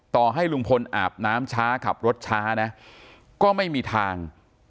ต่อให้ลุงพลอาบน้ำช้าขับรถช้านะก็ไม่มีทาง